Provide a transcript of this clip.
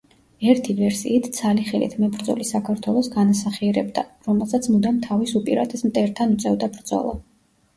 ერთი ვერსიით ცალი ხელით მებრძოლი საქართველოს განასახიერებდა, რომელსაც მუდამ თავის უპირატეს მტერთან უწევდა ბრძოლა.